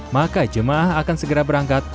maka jemaah akan segera berangkat